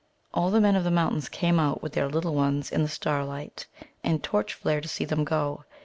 All the Men of the Mountains came out with their little ones in the starlight and torch flare to see them go.